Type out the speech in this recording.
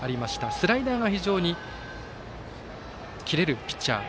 スライダーが非常に切れるピッチャー。